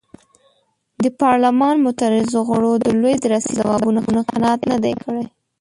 د پارلمان معترضو غړو د لوی درستیز په ځوابونو قناعت نه دی کړی.